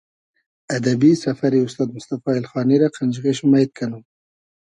ادئبی سئفئری اوستاد موستئفا اېلخانی رۂ قئنجیغې شوم اݷد کئنوم